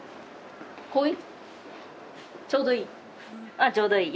ああちょうどいい。